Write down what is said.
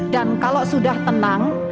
dan kalau sudah tenang